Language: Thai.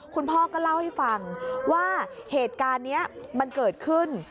คุณพ่อก็เล่าให้ฟังว่าเหตุการณ์นี้มันเกิดขึ้น